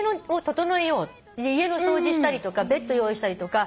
家の掃除したりとかベッド用意したりとか。